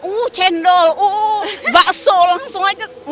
uh cendol uh bakso langsung aja